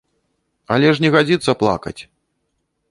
Але ж не гадзіцца плакаць!